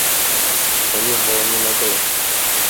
Oni zvoleni nebyli.